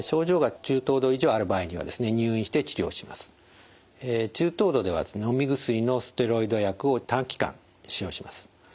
中等度ではですねのみ薬のステロイド薬を短期間使用します。